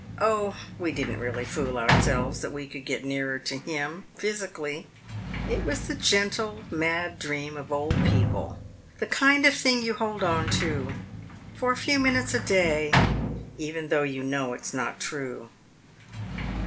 Oh, we didn't really fool ourselves that we could get nearer to Him physically. It was the gentle, mad dream of old people, the kind of thing you hold onto for a few minutes a day, even though you know it's not true.